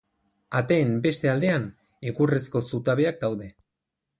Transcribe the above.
Ateen beste aldean egurrezko zutabeak daude.